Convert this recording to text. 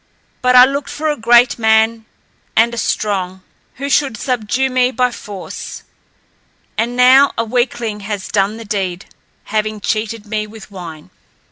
But I looked for a great man and a strong, who should subdue me by force, and now a weakling has done the deed, having cheated me with wine.